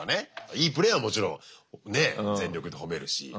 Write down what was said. いいプレーはもちろんねえ全力で褒めるし。